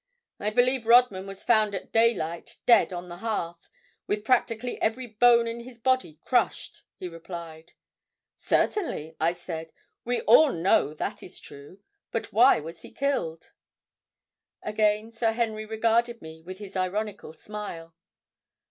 "I believe Rodman was found at daylight dead on the hearth, with practically every bone in his body crushed," he replied. "Certainly," I said. "We all know that is true. But why was he killed?" Again Sir Henry regarded me with his ironical smile.